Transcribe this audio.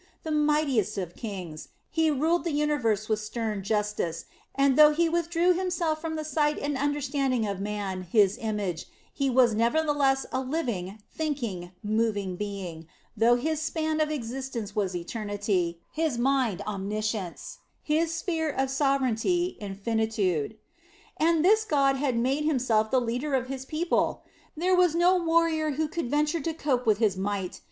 The Mightiest of Kings, He ruled the universe with stern justice, and though He withdrew Himself from the sight and understanding of man, His image, He was nevertheless a living, thinking, moving Being, though His span of existence was eternity, His mind omniscience, His sphere of sovereignty infinitude. And this God had made Himself the leader of His people! There was no warrior who could venture to cope with His might.